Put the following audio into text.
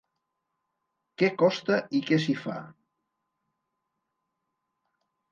Que costa i que s'hi fa?